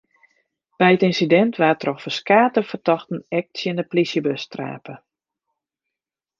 By it ynsidint waard troch ferskate fertochten ek tsjin de plysjebus trape.